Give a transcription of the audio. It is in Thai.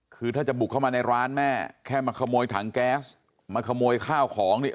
คือถ้าจะบุกเข้ามาในร้านแม่แค่มาขโมยถังแก๊สมาขโมยข้าวของเนี่ย